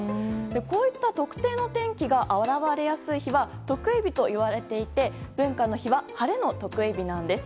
こういった特定の天気が現れやすい日は特異日といわれていて文化の日は晴れの特異日なんです。